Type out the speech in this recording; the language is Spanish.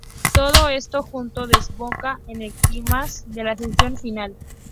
Todo esto junto desemboca en el clímax de la sección final.